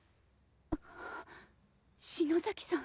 篠崎さん。